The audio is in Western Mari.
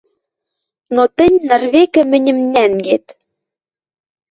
Но тӹнь ныр вӹкӹ мӹньӹм нӓнгет...» —